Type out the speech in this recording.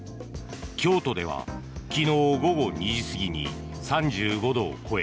京都では昨日午後２時過ぎに３５度を超え